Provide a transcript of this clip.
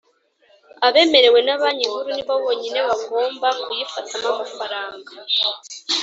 abemerewe na Banki Nkuru ni bo bonyine bangomba kuyifatamo amafaranga